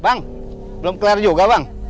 bang belum clear juga bang